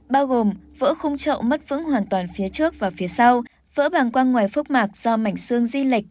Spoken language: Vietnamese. bao gồm vỡ khung trậu mất vững hoàn toàn phía trước và phía sau vỡ bàng quang ngoài phước mạc do mảnh xương di lệch